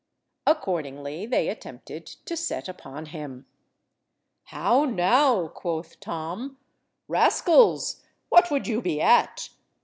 Accordingly they attempted to set upon him. "How, now," quoth Tom, "rascals, what would you be at?